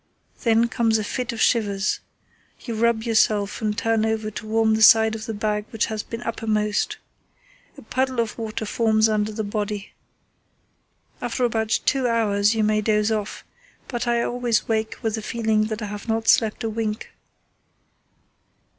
Then comes a fit of shivers. You rub yourself and turn over to warm the side of the bag which has been uppermost. A puddle of water forms under the body. After about two hours you may doze off, but I always wake with the feeling that I have not slept a wink."